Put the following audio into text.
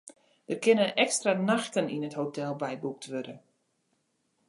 Der kinne ekstra nachten yn it hotel byboekt wurde.